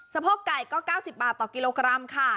โพกไก่ก็๙๐บาทต่อกิโลกรัมค่ะ